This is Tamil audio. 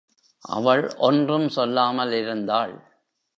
அவள் ஒன்றும் சொல்லாமலிருந்தாள்.